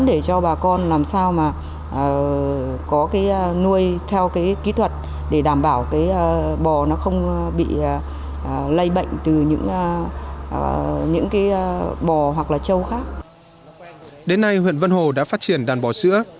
đến nay huyện vân hồ đã phát triển đàn bò sữa